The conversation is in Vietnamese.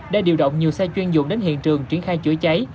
đã điều động nhiều xe chuyên dụng đến hiện trường triển khai chữa cháy